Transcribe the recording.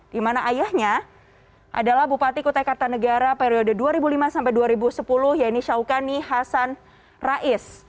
di mana ayahnya adalah bupati kutai kartanegara periode dua ribu lima sampai dua ribu sepuluh yaitu syaukani hasan rais